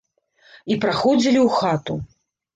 І праходзілі ў хату.